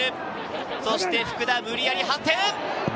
そして福田、無理やり反転。